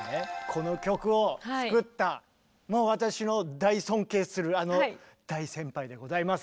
この曲を作ったもう私の大尊敬するあの大先輩でございます。